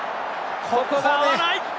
ここが合わない。